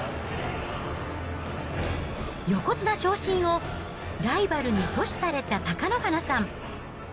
横綱昇進を、ライバルに阻止された貴乃花さん。